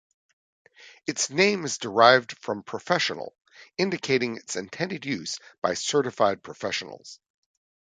Its name is derived from "professional", indicating its intended use by certified professionals.